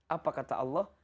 apa kata allah